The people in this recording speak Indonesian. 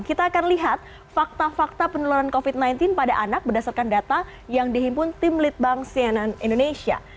kita akan lihat fakta fakta penularan covid sembilan belas pada anak berdasarkan data yang dihimpun tim litbang sianan indonesia